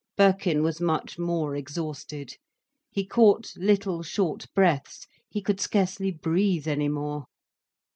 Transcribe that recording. Birkin was much more exhausted. He caught little, short breaths, he could scarcely breathe any more.